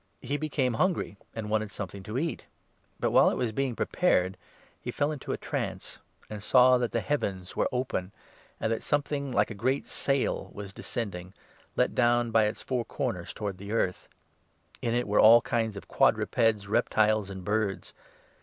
He became hungry and wanted 10 something to eat ; but, while it was being prepared, he fell into a trance, and saw that the heavens were open, and that some n thing like a great sail was descending, let down by its four corners towards the earth. In it were all kinds of quadrupeds, 12 reptiles, and birds.